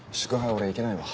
俺行けないわ。